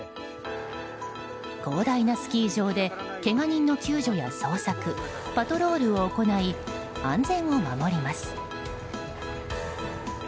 広大なスキー場でけが人の救助や捜索パトロールを行い安全を守ります。